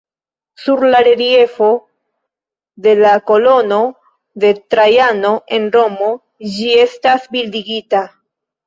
Sur la reliefoj de la Kolono de Trajano en Romo ĝi estas bildigita.